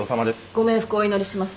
ご冥福をお祈りします。